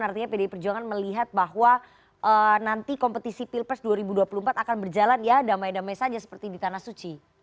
artinya pdi perjuangan melihat bahwa nanti kompetisi pilpres dua ribu dua puluh empat akan berjalan ya damai damai saja seperti di tanah suci